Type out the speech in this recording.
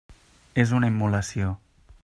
És una immolació.